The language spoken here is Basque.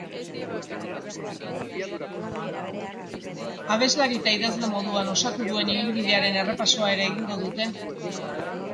Abeslari eta idazle moduan osatu duen ibilbidearen errepasoa ere egingo dute.